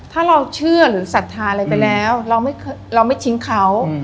ถ้าเราเชื่อหรือศรัทธาอะไรไปแล้วเราไม่ทิ้งเขา